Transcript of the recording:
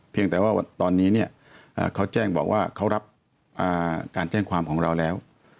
แต่ว่าตอนนี้เขาแจ้งบอกว่าเขารับการแจ้งความของเราแล้ว